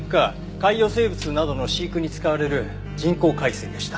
海洋生物などの飼育に使われる人工海水でした。